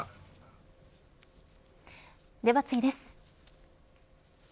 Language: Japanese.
では次です。